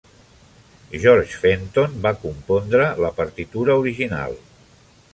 George Fenton va compondre la partitura original.